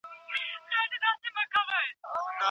څېړونکی باید د څېړنې لاري په خپله ولټوي.